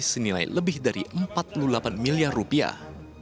senilai lebih dari empat puluh delapan miliar rupiah